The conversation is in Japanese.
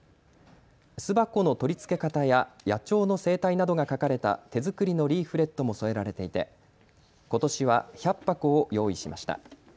巣箱の取り付け方や野鳥の生態などが書かれた手作りのリーフレットも添えられていてことしは１００箱を用意しました。